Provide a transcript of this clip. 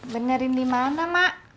benerin dimana mak